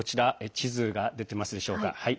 地図が出てますでしょうか。